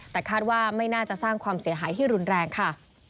แต่คาดว่าไม่น่าจะสร้างความเสียหายที่รุนแรงค่ะ